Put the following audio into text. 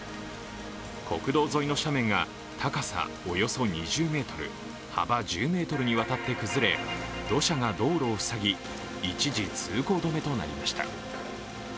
国道沿いの斜面が高さおよそ２０ｍ、幅１０ｍに渡って崩れ、土砂が道路を塞ぎ、一時通行止めとなりました。